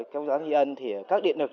trong tháng tri ân thì các điện lực